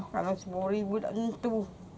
kalau sepuluh ribu tentu